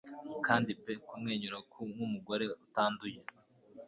Kandi pe kumwenyura nkumugore utanduye